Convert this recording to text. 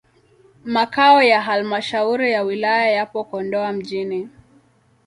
Makao ya halmashauri ya wilaya yapo Kondoa mjini.